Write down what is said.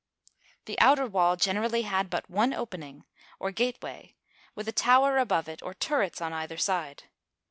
The outer wall generally had but one opening, or gate way, with a tower above it, or turrets on either side.